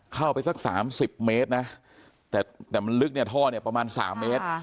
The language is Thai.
เข้าไปสัก๓๐เมตรแต่มันลึกท่อประมาณ๓เมตร